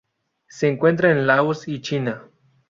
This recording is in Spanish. Se encuentra en Laos y China.